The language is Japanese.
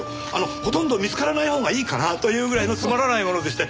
ほとんど見つからないほうがいいかなぁというぐらいのつまらない物でして。